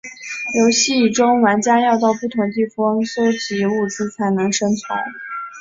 游戏中玩家要到不同地方搜集物资才能生存。